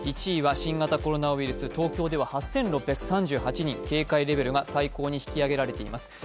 １位は新型コロナウイルス、東京では８６３８人、警戒レベルが最高に引き上げられています。